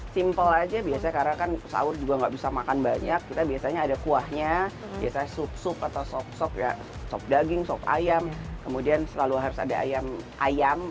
simple aja biasanya karena kan sahur juga nggak bisa makan banyak kita biasanya ada kuahnya biasanya sup sup atau sop sok ya sop daging sop ayam kemudian selalu harus ada ayam ayam